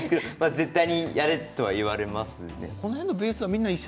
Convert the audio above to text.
絶対にやれとは言われますね。